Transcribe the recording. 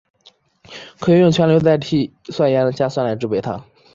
可以用全硫代锑酸盐加酸来制备它。